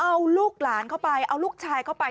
เอาลูกหลานเข้าไปเอาลูกชายเข้าไป